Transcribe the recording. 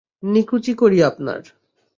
নিকুচি করি আপনার।